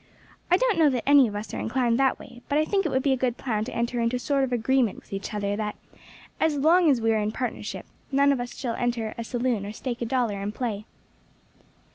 I don't know that any of us are inclined that way, but I think it would be a good plan to enter into a sort of agreement with each other that, as long as we are in partnership, none of us shall enter a saloon or stake a dollar in play."